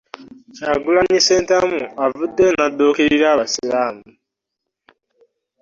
Kyagulanyi Ssentamu avuddeyo n'addukira abasiraamu.